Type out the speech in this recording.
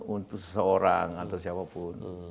untuk seseorang atau siapa pun